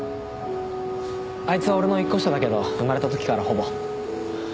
あいつは俺の１個下だけど生まれた時からほぼ。